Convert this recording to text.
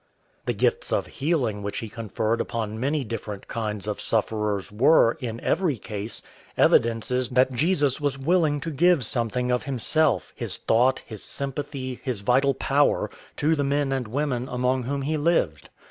The gifts of healing which he conferred upon many different kinds of sufferers were, in every case, evidences that Jesus was willing to give something of himself, his thought, his sympathy, his vital power, to the men and women among whom he lived.